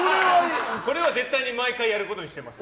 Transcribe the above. これは絶対に毎回やることにしてます。